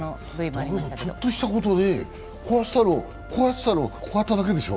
ちょっとしたことで、こうやってたのをこうやっただけでしょ？